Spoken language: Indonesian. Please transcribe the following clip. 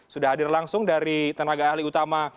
sudah hadir langsung dari tenaga ahli utama